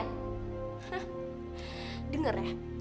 hah denger ya